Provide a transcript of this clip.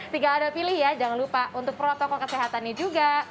tinggal anda pilih ya jangan lupa untuk protokol kesehatannya juga